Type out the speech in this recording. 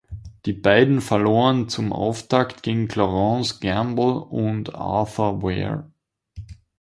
Die beiden verloren zum Auftakt gegen Clarence Gamble und Arthur Wear.